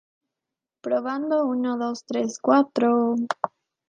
Carece de recursos naturales, y no tiene riesgos naturales conocidos.